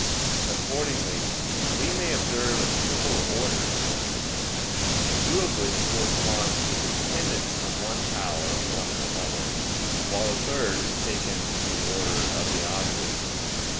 Accordingly we may observe a triple order among them, two of which correspond to the dependence of one power on another; while the third is taken from the order of the objects.